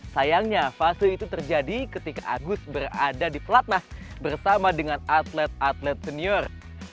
sayangnya fase itu terjadi ketika agus berada di pelatnas bersama dengan atlet atlet senior